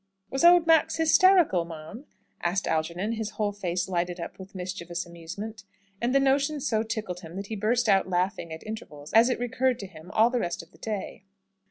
"Was old Max hysterical, ma'am?" asked Algernon, his whole face lighted up with mischievous amusement. And the notion so tickled him, that he burst out laughing at intervals, as it recurred to him, all the rest of the day.